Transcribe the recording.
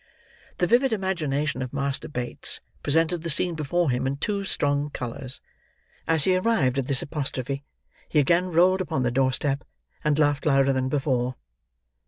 The vivid imagination of Master Bates presented the scene before him in too strong colours. As he arrived at this apostrophe, he again rolled upon the door step, and laughed louder than before.